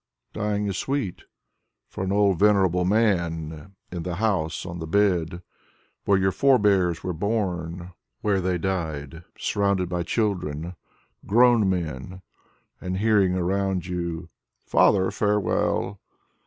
Dying is sweet For an old, venerable man In the house On the bed Where your forebears were bom, — ^whcre they died, Surrounded by children Grown men, And hearing around you: "Father, farewell!"